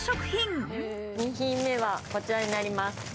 ２品目は、こちらになります。